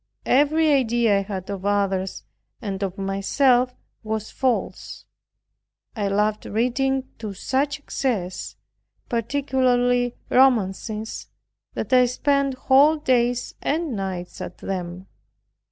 Every idea I had of others and of myself was false. I loved reading to such excess, particularly romances, that I spent whole days and nights at them.